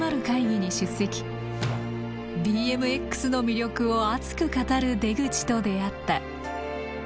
ＢＭＸの魅力を熱く語る出口と出会った。